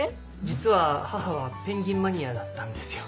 実は母はペンギンマニアだったんですよ。